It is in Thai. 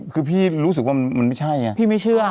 คือพี่รู้สึกว่ามันไม่ใช่อย่างนี้ครับพี่ไม่เชื่อ